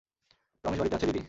রমেশ বাড়িতে আছে, দিদি।